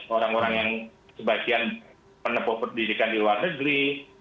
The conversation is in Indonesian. orang orang yang sebagian penepuk pendidikan di luar negeri